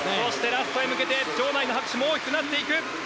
ラストに向けて場内の拍手も大きくなっていく。